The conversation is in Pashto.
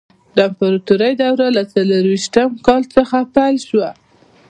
د امپراتورۍ دوره له څلور ویشتم کال څخه پیل شوه.